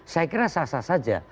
saya kira sah sah saja